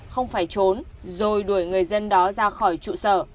không phải trốn rồi đuổi người dân đó ra khỏi trụ sở